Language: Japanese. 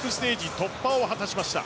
突破を果たしました。